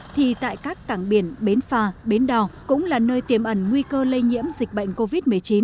thì tại các cảng biển bến phà bến đò cũng là nơi tiềm ẩn nguy cơ lây nhiễm dịch bệnh covid một mươi chín